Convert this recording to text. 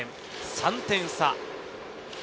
３点差。